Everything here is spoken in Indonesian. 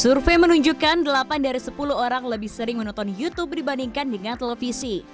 survei menunjukkan delapan dari sepuluh orang lebih sering menonton youtube dibandingkan dengan televisi